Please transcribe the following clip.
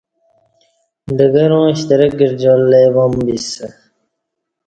ڈگراں شترک گرجار لی وام بیسہ